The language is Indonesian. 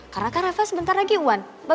karena kan reva sebentar lagi iwan